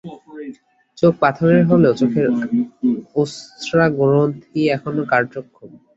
চোখ পাথরের হলেও চোখের অশ্রাগ্রন্থি এখনো কার্যক্ষম।